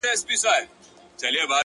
• دوی پخپله هم یو بل سره وژله,